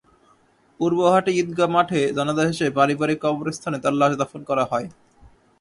পূর্বহাটি ঈদগাহ মাঠে জানাজা শেষে পারিবারিক কবরস্থানে তাঁর লাশ দাফন করা হয়।